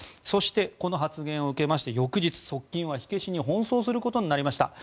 そして、この発言を受けて翌日、側近は火消しに奔走することになりました。